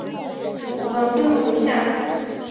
古坟规模如下。